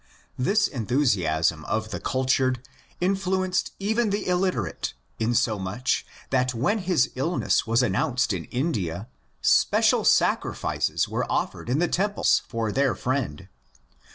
This enthusiasm of the cultured influenced even the illiterate, insomuch that when his illness was an nounced in India, special sacrifices were offered in the tem ples for their '^ friend."